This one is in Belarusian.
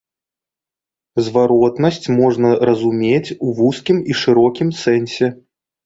Зваротнасць можна разумець у вузкім і шырокім сэнсе.